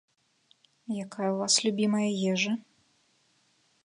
Якая ў вас любімая ежа?